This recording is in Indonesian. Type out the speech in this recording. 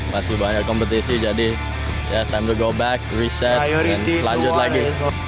masih banyak kompetisi jadi time to go back reset dan lanjut lagi